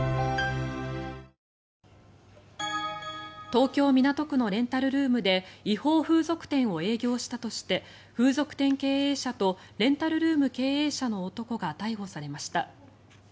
東京・港区のレンタルルームで違法風俗店を営業したとして風俗店経営者とレンタルルーム経営者の男が逮捕されました。